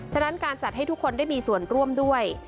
ฉะนั้นการจัดให้ทุกคนได้มีส่วนร่วมด้วย